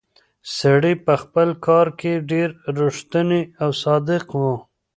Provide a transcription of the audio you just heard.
سړی په خپل کار کې ډېر ریښتونی او صادق و.